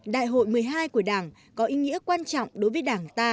đại hội một mươi hai của đảng có ý nghĩa quan trọng đối với đảng ta